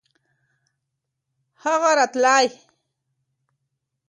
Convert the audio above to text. هغه راتلی .